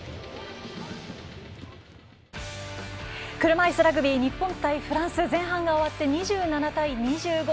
車いすラグビー日本対フランス前半が終わって２７対２５